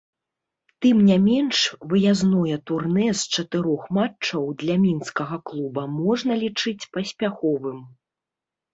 Тым не менш выязное турнэ з чатырох матчаў для мінскага клуба можна лічыць паспяховым.